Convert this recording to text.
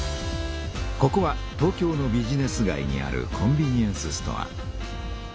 ここは東京のビジネス街にあるコンビニエンスストア。